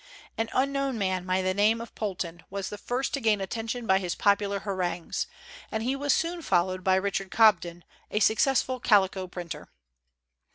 An unknown man by the name of Poulton was the first to gain attention by his popular harangues; and he was soon followed by Richard Cobden, a successful calico printer.